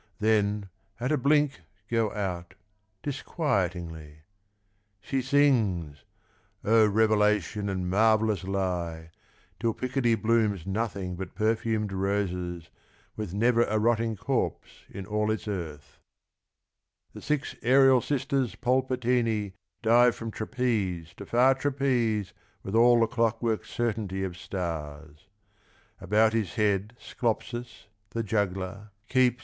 Then, at a bUnk, go out, disquictingly. She sings — Oh, revelation and marvellous lie — Till Picardy blooms nothing but perfumed roses. With never a rotting corpse in all its earth. The Six Aerial Sisters Polpctini Dive from trapeze to far trapeze With all the clockwork certainty of stars. About his head Sclopis, the juggler, keeps 35 Theatre of Varieties.